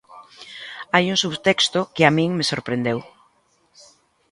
Hai un subtexto que a min me sorprendeu.